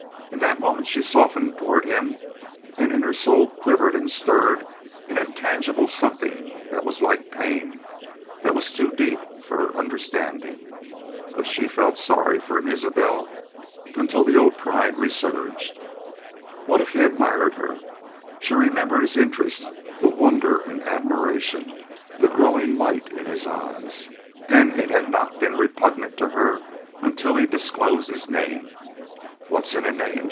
In that moment she softened toward him, and in her soul quivered and stirred an intangible something that was like pain, that was too deep for her understanding. But she felt sorry for an Isbel until the old pride resurged. What if he admired her? She remembered his interest, the wonder and admiration, the growing light in his eyes. And it had not been repugnant to her until he disclosed his name. "What's in a name?"